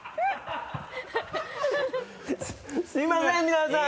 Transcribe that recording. すいません皆さん。